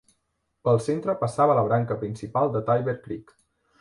Pel centre passava la branca principal de Tiber Creek.